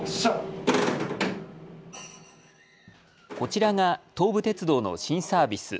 こちらが東武鉄道の新サービス。